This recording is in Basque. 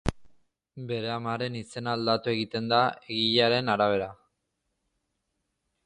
Bere amaren izena aldatu egiten da egilearen arabera.